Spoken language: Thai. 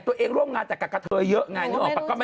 พี่โดมติดตามหรอพี่โดม